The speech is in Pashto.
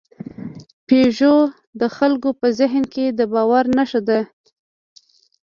پيژو د خلکو په ذهن کې د باور نښه ده.